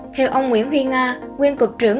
theo ông nguyễn huy nga nguyên cực trưởng